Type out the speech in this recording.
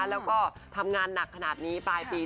แล้วก็ทำงานหนักขนาดนี้ปลายปี